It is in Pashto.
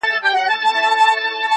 ستا د پرونۍ ورځې عادت بې هوښه سوی دی~